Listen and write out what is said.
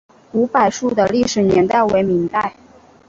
古柏树的历史年代为明代。